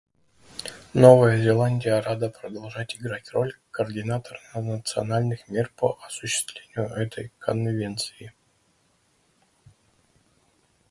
Новая Зеландия рада продолжать играть роль координатора национальных мер по осуществлению этой Конвенции.